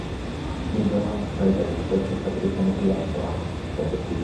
হিন্দু ধর্মানুসারীদের বিশেষ করে শিক্ষাপ্রতিষ্ঠানে একটি আনন্দঘন দিন হচ্ছে সরস্বতী পূজা।